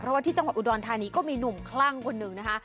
เพราะว่าที่จังหวัดอุดรธานีก็มีหนุ่มคลั่งคนหนึ่งนะคะ